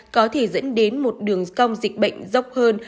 có thể dẫn đến một đường cong dịch bệnh dốc hơn